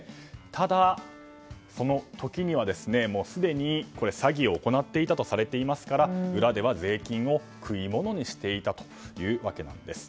ただ、その時にはもうすでに詐欺を行っていたとされていますから裏では税金を食い物にしていたというわけなんです。